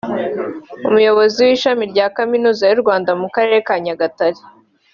Umuyobozi w’ishami rya Kaminuza y’u Rwanda mu karere ka Nyagatare